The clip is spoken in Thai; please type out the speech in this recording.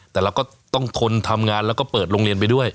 แต่เราก็ต้องทนทำงานแล้วก็เปิดโรงเรียนไปด้วย